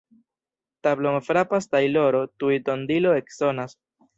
Tablon frapas tajloro, tuj tondilo eksonas.